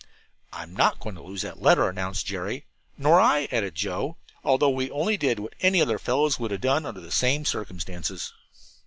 "I'm not going to lose that letter," announced Jerry. "Nor I," added Joe, "although we only did what any other fellows would have done under the same circumstances."